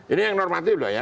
ini yang normatif loh ya